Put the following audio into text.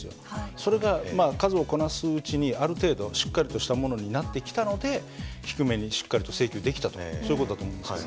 それが数をこなすうちにある程度しっかりとしたものになってきたので低めにしっかりと制球できたとそういう事だと思うんですけど。